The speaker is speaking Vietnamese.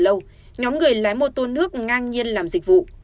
sau đó nhóm người lái mô tô nước ngang nhiên làm dịch vụ